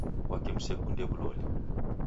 Kwaki msekunde w'uloli?